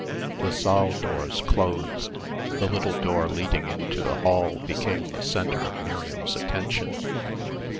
The saal doors closed, the little door leading into the hall became the centre of Miriam's attention.